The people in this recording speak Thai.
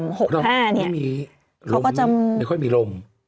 เพราะว่าไม่ค่อยมีลม